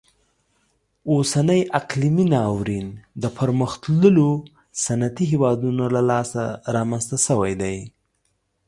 اوسنی اقلیمي ناورین د پرمختللو صنعتي هیوادونو له لاسه رامنځته شوی دی.